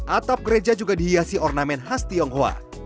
atap gereja juga dihiasi ornamen khas tionghoa